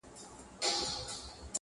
د وصل شپې مي د هر خوب سره پیوند وهلي.!